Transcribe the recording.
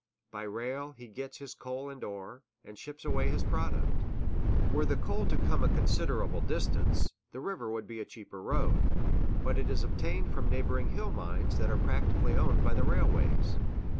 By rail he gets his coal and ore, and ships away his product. Were the coal to come a considerable distance, the river would be the cheaper road; but it is obtained from neighboring hill mines that are practically owned by the railways.